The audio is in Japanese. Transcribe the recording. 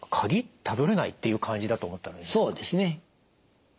たどれない」っていう感じだと思ったらいいんでしょうか？